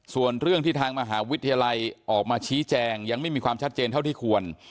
ส่วนเรื่องที่ทางมหาวิทยาลัยออกมาชี้แจงยังไม่มีความชัดเจนเท่าที่ควร